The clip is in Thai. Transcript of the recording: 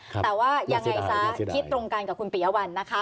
แต่ว่ายังไงซะคิดตรงกันกับคุณปียวัลนะคะ